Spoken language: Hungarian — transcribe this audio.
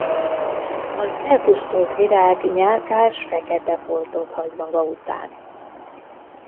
Az elpusztult virág nyálkás fekete foltot hagy maga után.